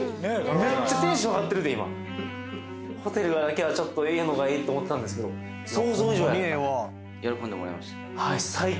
めっちゃテンション上がってるで今ホテルだけはちょっとええのがいいと思ってたんですけど想像以上やった喜んでもらえました？